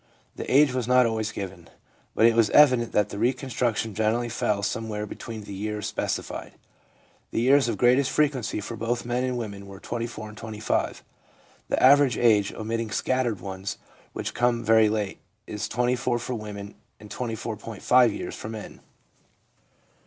The age was not always given ; but it was evident that the reconstruction gener ally fell somewhere between the years specified. The years of greatest frequency for both men and women were 24 and 25. The average age, omitting scattered ones which come very late, is 24 for women and 24.5 years for men.